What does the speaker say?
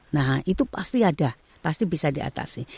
nah itu pasti ada pasti bisa diatasi